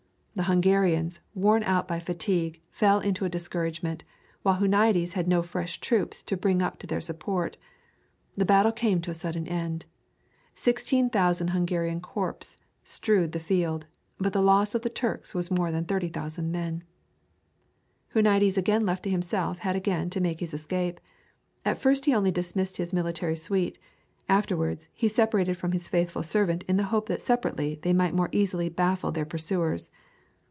The Hungarians, worn out by fatigue, fell into a discouragement, while Huniades had no fresh troops to bring up to their support. The battle came to a sudden end. Seventeen thousand Hungarian corpses strewed the field, but the loss of the Turks was more than 30,000 men. Huniades again left to himself had again to make his escape. At first he only dismissed his military suite; afterwards he separated from his faithful servant in the hope that separately they might more easily baffle their pursuers.